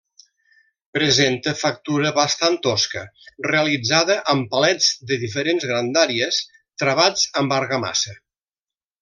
Presenta factura bastant tosca realitzada amb palets de diferents grandàries, travats amb argamassa.